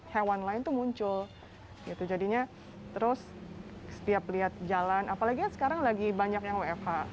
hewan lain tuh muncul itu jadinya terus setiap lihat jalan apalagi sekarang lagi banyaknya wfh